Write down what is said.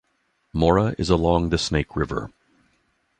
Mora is along the Snake River.